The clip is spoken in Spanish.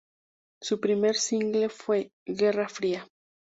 Su primer single fue "Guerra fría".